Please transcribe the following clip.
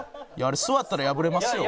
座ったら破れますよ。